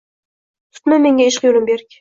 Tutma menga ishq yo’lin berk